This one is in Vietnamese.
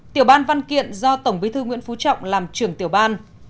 tiểu ban văn kiện do tổng bí thư nguyễn phú trọng làm trưởng tiểu ban